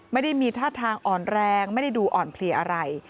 ไม่ได้มีท่าทางอ่อนแรงไม่ได้ดูอ่อนเพลียอะไร